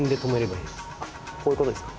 あっこういうことですか。